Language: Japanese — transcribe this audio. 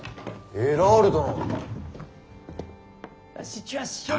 エラール殿。